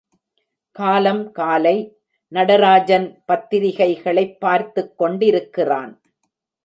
காலம் காலை நடராஜன் பத்திரிகைகளைப் பார்த்துக் கொண்டிருக்கிறான்.